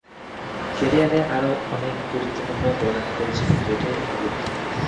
ক্যারিয়ারে আরও অনেক গুরুত্বপূর্ণ গোল আমি করেছি, কিন্তু এটাই এখানে গুরুত্বপূর্ণ।